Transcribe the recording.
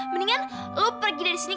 mendingan lo pergi dari sini